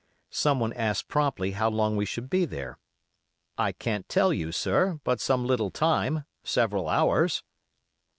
Someone asked promptly how long we should be there. 'I can't tell you, sir, but some little time; several hours.